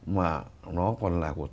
mà nó còn là của